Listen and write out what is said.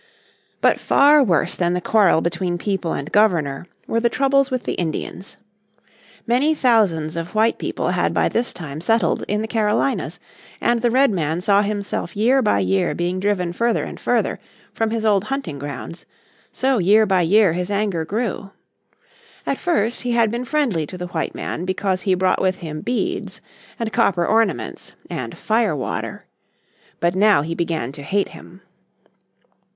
But far worse than the quarrel between people and governor were the troubles with the Indians. Many thousands of white people had by this time settled in the Carolinas, and the Redman saw himself year by year being driven further and further from his old hunting grounds; so year by year his anger grew. At first he had been friendly to the white man because he brought with him beads and copper ornaments and "fire water." But now he began to hate him.